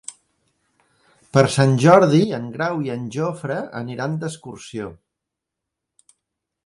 Per Sant Jordi en Grau i en Jofre aniran d'excursió.